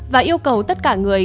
và yêu cầu tất cả người